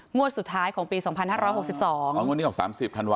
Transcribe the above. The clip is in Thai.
งวดสุดท้ายของปีสองพันห้าร้อยหกสิบสองอ๋องวดนี้ก็สามสิบธันวาล